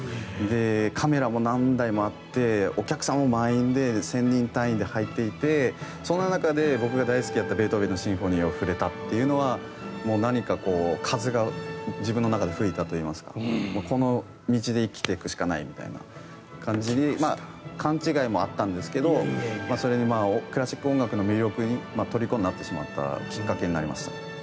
カメラも何台もあってお客さんも満員で１０００人単位で入っていてその中で、僕が大好きだったベートーベンのシンフォニーを振れたっていうのは何か風が自分の中で吹いたといいますかこの道で生きていくしかないみたいな感じで勘違いもあったんですけどそれでクラシック音楽の魅力のとりこになってしまったきっかけになりました。